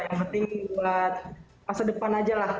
yang penting buat masa depan aja lah